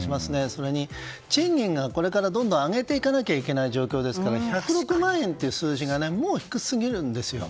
それに、賃金がこれからどんどん上げていかなきゃいけない状況ですから１０６万円という数字がもう低すぎるんですよ。